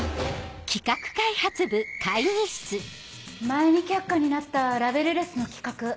前に却下になったラベルレスの企画